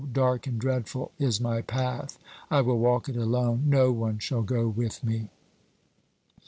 dark and dreadful is my path! I will walk it alone: no one shall go with me.